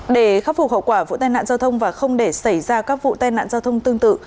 để khắc phục hậu quả vụ tai nạn giao thông và không để xảy ra các vụ tai nạn giao thông tương tự